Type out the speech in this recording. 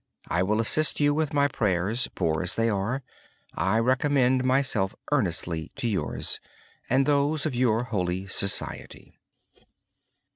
I will assist you with my prayers, poor as they are. I recommend myself earnestly to you and those of your holy society.